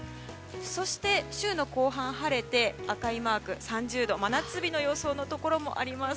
そして、週の後半は晴れて赤いマーク、３０度の真夏日の予想のところもあります。